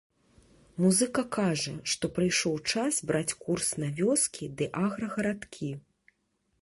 Музыка кажа, што прыйшоў час браць курс на вёскі ды аграгарадкі.